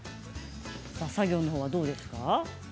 作業のほうはどうですか？